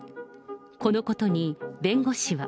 このことに弁護士は。